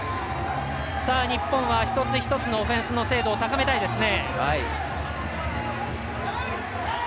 日本は一つ一つのオフェンスの精度高めたいですね。